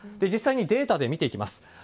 実際にデータで見ていきます。